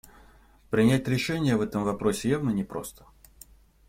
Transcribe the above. Принять решение в этом вопросе явно непросто.